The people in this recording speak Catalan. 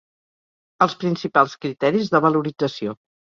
Els principals criteris de valorització.